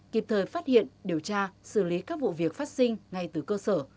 kịp thời phát hiện điều tra xử lý các vụ việc phát sinh ngay từ cơ sở